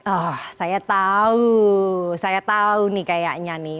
oh saya tahu saya tahu nih kayaknya nih